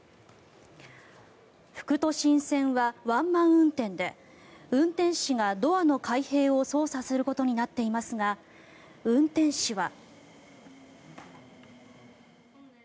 副都心線はワンマン運転で運転士がドアの開閉を操作することになっていますが運転士は。